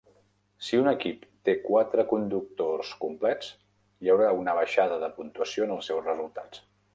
Si un equip té quatre conductors complets, hi haurà una baixada de puntuació en els seus resultats.